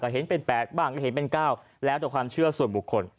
ก็เห็นเป็น๘บ้างด้วยเห็นเป็น๙แล้วส่วนตัวคนเชื่อส่วนบุคคล